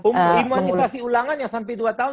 imunisasi ulangan yang sampai dua tahun